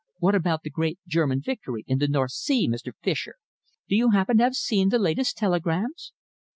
What about the great German victory in the North Sea, Mr. Fischer? Do you happen to have seen the latest telegrams?"